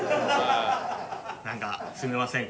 なんかすみません。